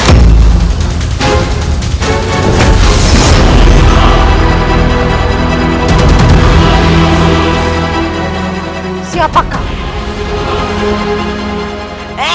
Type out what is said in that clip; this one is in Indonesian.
dan menjadi penghaktif